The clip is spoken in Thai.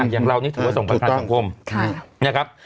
อย่างเรานี่ถือว่าส่งประกันสังคม